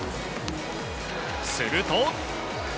すると。